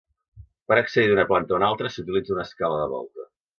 Per accedir d'una planta a una altra s'utilitza una escala de volta.